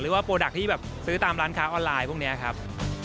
หรือว่าโปรดักต์ที่ซื้อตามร้านค้าออนไลน์พวกนี้ครับ